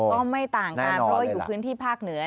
ก็ไม่ต่างกันเพราะว่าอยู่พื้นที่ภาคเหนือ